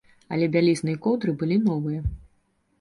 Але бялізна і коўдры былі новыя.